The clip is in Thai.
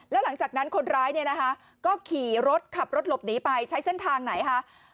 แล้วหลังจากนั้นคนร้ายเนี่ยนะคะก็ขี่รถขับรถหลบหนีไปใช้เส้นทางไหนคะ